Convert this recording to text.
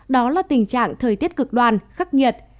đó là tình trạng thời tiết cực đoan khắc nghiệt